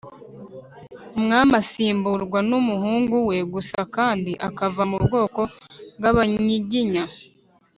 umwami asimburwa n'umhungu we gusa kandi akava mu bwoko bw'abanyiginya;